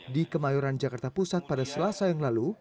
di kemayoran jakarta pusat pada selasa yang lalu